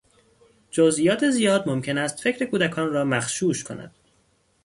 جزئیات زیاد ممکن است فکر کودکان را مغشوش کند.